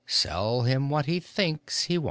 sell him what he thinks he wants!